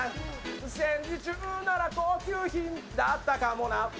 戦時中なら高級品だったかもな。